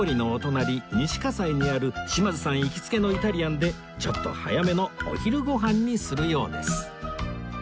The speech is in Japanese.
西葛西にある島津さん行きつけのイタリアンでちょっと早めのお昼ご飯にするようです